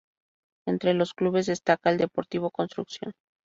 Entre los clubes destaca el Deportivo Construcción.